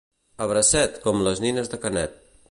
A bracet, com les nines de Canet.